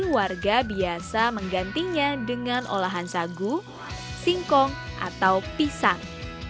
warga biasa menggantinya dengan olahan sagu singkong atau pisang